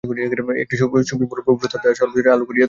একটি সুবিমল প্রফুল্লতা তাহার সর্বশরীর আলো করিয়া তুলিল।